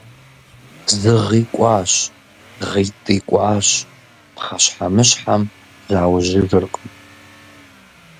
Зы гъи кӀуащ, гъитӀи кӀуащ – пхъэщхьэмыщхьэм заужьыжыркъым.